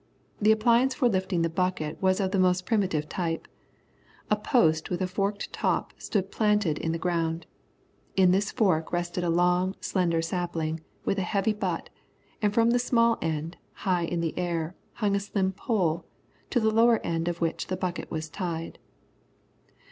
The appliance for lifting the bucket was of the most primitive type. A post with a forked top stood planted in the ground. In this fork rested a long, slender sapling with a heavy butt, and from the small end, high in the air, hung a slim pole, to the lower end of which the bucket was tied.